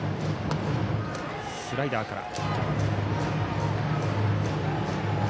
スライダーから。